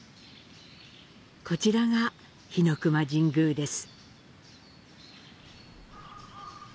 こちらが日前神宮です。